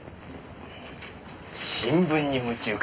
新聞に夢中かよ。